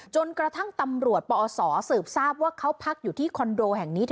จนกระทั่งตำรวจปอศสืบทราบว่าเขาพักอยู่ที่คอนโดแห่งนี้